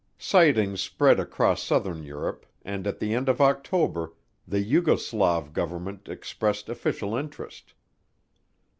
Sightings spread across southern Europe, and at the end of October, the Yugoslav Government expressed official interest.